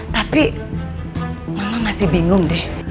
tapi mama masih bingung deh